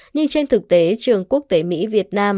nhưng trên thực tế trường quốc tế mỹ việt nam